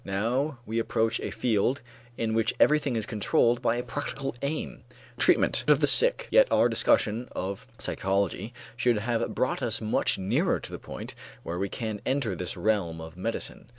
Now we approach a field in which everything is controlled by a practical aim, the treatment of the sick. Yet our discussion of psychology should have brought us much nearer to the point where we can enter this realm of medicine.